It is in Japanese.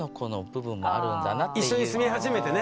一緒に住み始めてね。